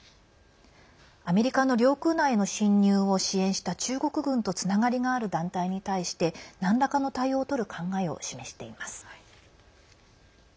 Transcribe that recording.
アメリカの領空内への侵入を支援した中国軍とつながりがある団体に対してなんらかの対応をとる考えを示しています。